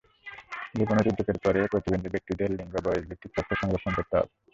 যেকোনো দুর্যোগের পরে প্রতিবন্ধী ব্যক্তিদের লিঙ্গ, বয়সভিত্তিক তথ্য সংরক্ষণ করতে হবে।